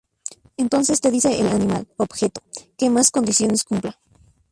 Entonces te dice el animal, objeto... que más condiciones cumpla.